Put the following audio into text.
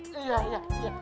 kakek neneknya sakit